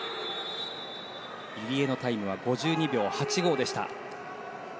入江のタイムは５２秒８５でした。